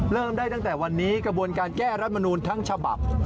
เริ่มได้ตั้งแต่วันนี้กระบวนการแก้รัฐมนูลทั้งฉบับ